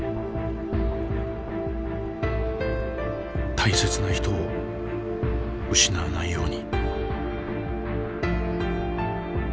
大切な人を失わないように。